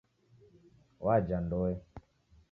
Waja Ndoe.